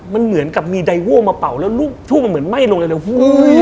มันเหมือนกับมีไดโว้มาเป่าแล้วลูกทูบมันเหมือนไหม้ลงเร็ว